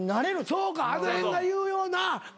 そうかあの辺が言うようなこと。